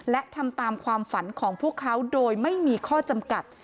และทำตามความฝันของพวกเขาโดยไม่มีข้อจำกัด